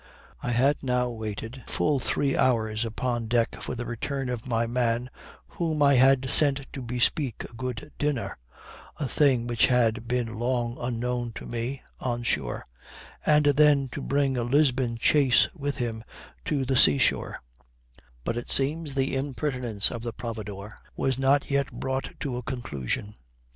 I had now waited full three hours upon deck for the return of my man, whom I had sent to bespeak a good dinner (a thing which had been long unknown to me) on shore, and then to bring a Lisbon chaise with him to the seashore; but it seems the impertinence of the providore was not yet brought to a conclusion.